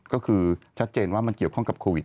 ก็คือชัดเจนว่ามันเกี่ยวข้องกับโควิด